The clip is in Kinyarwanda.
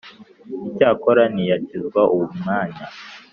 Icyakora ntiyakizwa uwo mwanya